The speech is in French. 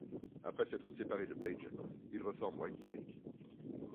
Après s'être séparé de Page, il reforme Whitesnake.